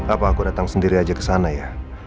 apa aku datang sendiri aja ke sana ya